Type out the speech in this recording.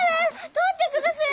取ってくだされ！